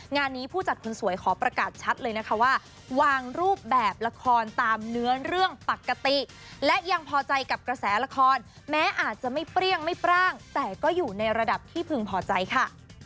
งานนี้ผู้จัดคนสวยขอประกาศชัดเลยนะคะว่าวางรูปแบบละครตามเนื้อเรื่องปกติและยังพอใจกับกระแสละครแม้อาจจะไม่เปรี้ยงไม่ปร่างแต่ก็อยู่ในระดับที่พึงพอใจค่ะ